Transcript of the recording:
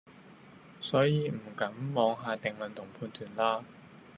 所以唔敢妄下定論同判斷啦